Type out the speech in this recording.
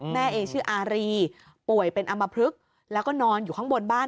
เอชื่ออารีป่วยเป็นอำมพลึกแล้วก็นอนอยู่ข้างบนบ้าน